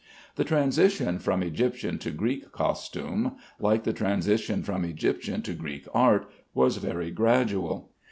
The transition from Egyptian to Greek costume, like the transition from Egyptian to Greek art, was very gradual.